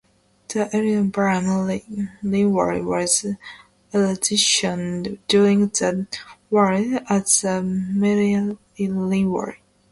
The Elham Valley Railway was requisitioned during the war as a military railway.